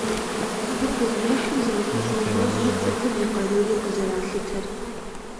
Гугъуехьым зэрыпэщӀэувэфщ цӀыхум и къарури къызэралъытэр.